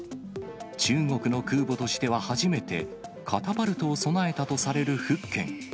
中国の空母としては初めて、カタパルトを備えたとされる福建。